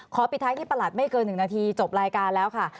ปิดท้ายที่ประหลัดไม่เกิน๑นาทีจบรายการแล้วค่ะ